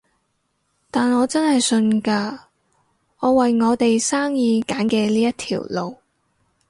但我真係信㗎，我為我哋生意揀嘅呢一條路